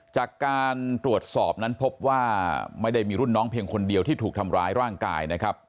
จากการตรวจสอบนั้นพบว่าไม่ได้มีรุ่นน้องเพียงคนเดียวที่ถูกทำร้ายร่างกายนะครับ